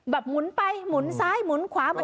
หมุนไปหมุนซ้ายหมุนขวาหุ